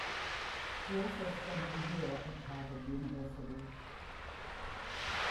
He also spent a year at Harvard University.